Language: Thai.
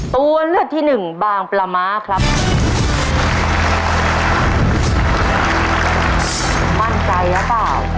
ตัวเลือดที่หนึ่งบางประมะครับ